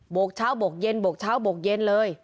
กเช้าโบกเย็นโบกเช้าโบกเย็นเลย